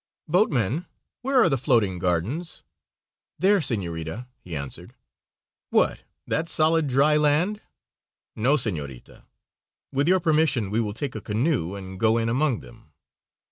"Boatman, where are the floating gardens?" "There, senorita," he answered. "What, that solid, dry land?" "No, senorita. With your permission we will take a canoe and go in among them."